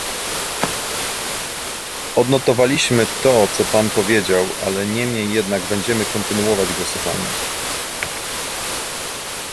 Odnotowaliśmy to, co pan powiedział, ale niemniej jednak będziemy kontynuować głosowanie